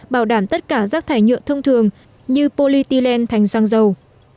bảo đảm tất cả rác thải nhựa thông thường như polyethylene thành xăng dầu